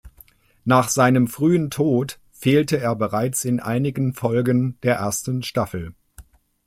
Nach seinem frühen Tod fehlte er bereits in einigen Folgen der ersten Staffel.